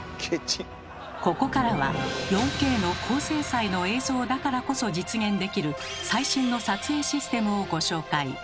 ここからは４Ｋの高精細の映像だからこそ実現できる最新の撮影システムをご紹介。